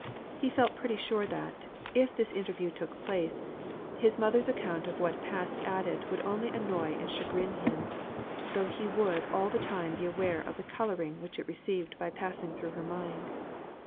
He felt pretty sure that, if this interview took place, his mother's account of what passed at it would only annoy and chagrin him, though he would all the time be aware of the colouring which it received by passing through her mind.